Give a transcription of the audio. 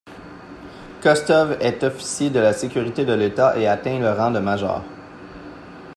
Kostov est officier de la sécurité de l'État et atteint le rang de major.